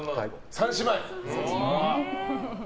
３姉妹。